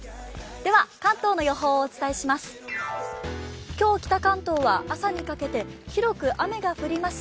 では関東の予報をお伝えします。